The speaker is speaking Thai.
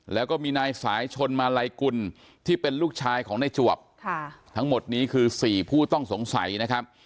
แล้วก็มีนายสายชนมาลัยกุลที่เป็นลูกชายของนายจวบทั้งหมดนี้คือ๔ผู้ต้องสงสัยนะครับ